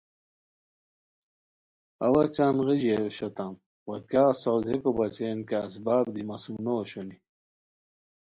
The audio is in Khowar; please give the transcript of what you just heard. اوا چنغیژی اوشوتام وا کیاغ ساؤزیکو بچین کیہ اسپاب دی مہ سُوم نو اوشونی